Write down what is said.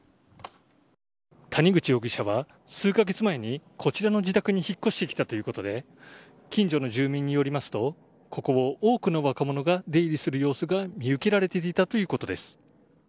谷口容疑者は、数カ月前にこちらの住宅に引っ越してきたということで近所の住民によりますとここを多くの若者が出入りする様子が見受けられていたということです。